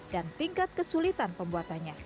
dan tingkat kesulitan pembuatannya